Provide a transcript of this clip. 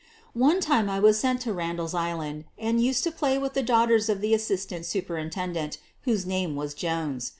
One time I was sent to Randall's Island and used to play with the daughters of the assistant superintendent, whose name was Jones.